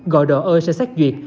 gọi đỏ ơi sẽ xét duyệt